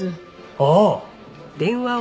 ああ！